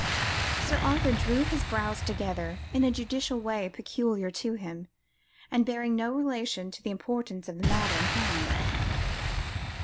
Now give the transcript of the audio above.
Sir Arthur drew his brows together in a judicial way peculiar to him, and bearing no relation to the importance of the matter in hand.